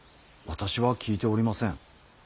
私は聞いておりません。